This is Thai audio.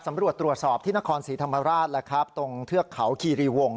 สำรวจตรวจสอบที่นครศรีธรรมราชตรงเทือกเขาคีรีวงค์